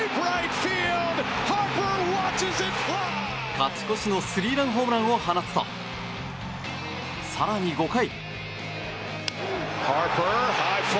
勝ち越しのスリーランホームランを放つと更に５回。